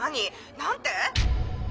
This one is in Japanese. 何て？